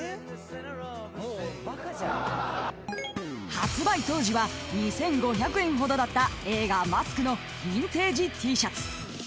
［発売当時は２，５００円ほどだった映画『ＭＡＳＫ』のヴィンテージＴシャツ］